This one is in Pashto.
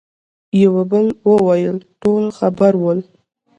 يوه بل وويل: ټول خبر ول.